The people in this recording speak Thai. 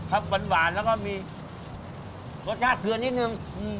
ครับวันหวานแล้วก็มีรสชาติเหมือนิดหนึ่งอืม